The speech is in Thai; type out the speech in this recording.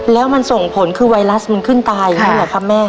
แล้วมันส่งผลคือไวรัสมันขึ้นตายอย่างนี้หรอครับแม่